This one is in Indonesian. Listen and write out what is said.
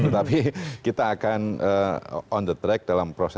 tapi kita akan on the track dalam proses itu